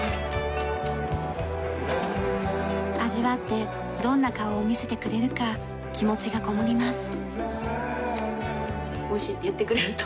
味わってどんな顔を見せてくれるか気持ちがこもります。